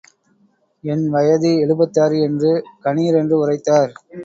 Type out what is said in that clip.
என் வயது எழுபத்தாறு என்று கணீரென்று உரைத்தார்.